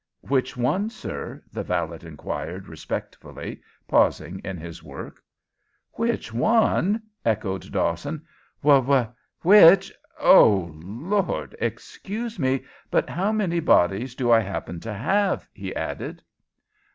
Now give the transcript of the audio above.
"Which one, sir?" the valet inquired, respectfully, pausing in his work. "Which one?" echoed Dawson. "Wh which Oh, Lord! Excuse me, but how many bodies do I happen to have?" he added.